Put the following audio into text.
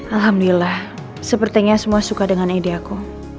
alhamdulillah sepertinya semua suka dengan ide aku